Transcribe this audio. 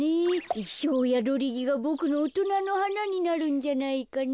イッショーヤドリギがボクのおとなのはなになるんじゃないかな。